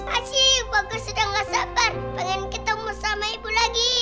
asyik bagus udah gak sabar pengen ketemu sama ibu lagi